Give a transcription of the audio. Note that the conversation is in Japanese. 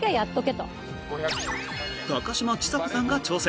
高嶋ちさ子さんが挑戦。